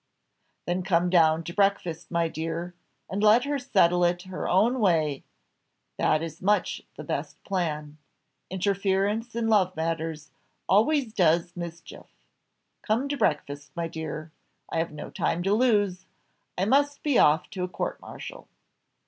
"Then come down to breakfast, my dear, and let her settle it her own way that is much the best plan. Interference in love matters always does mischief. Come to breakfast, my dear I have no time to lose I must be off to a court martial."